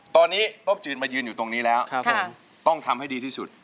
ตอนนี้โต๊ะจีนมายืนอยู่ตรงนี้แล้วต้องทำให้ดีที่สุด